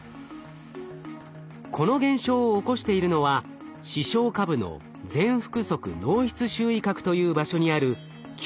この現象を起こしているのは視床下部の前腹側脳室周囲核という場所にあるＱ